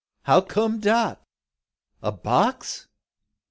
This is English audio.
how come dat? A box!